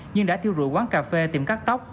nhưng đã thiêu rụi quán cà phê tiệm cắt tóc